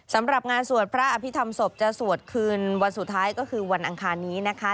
สำหรับงานสวดพระอภิษฐรรมศพจะสวดคืนวันสุดท้ายก็คือวันอังคารนี้นะคะ